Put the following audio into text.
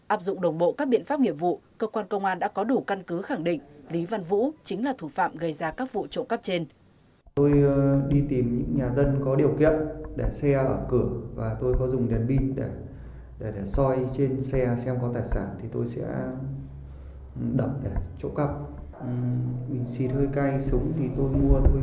áp dụng đồng bộ các biện pháp nghiệp vụ cơ quan công an đã có đủ căn cứ khẳng định lý văn vũ chính là thủ phạm gây ra các vụ trộm cắp trên